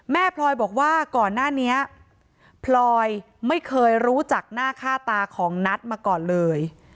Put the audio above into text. พลอยบอกว่าก่อนหน้านี้พลอยไม่เคยรู้จักหน้าค่าตาของนัทมาก่อนเลย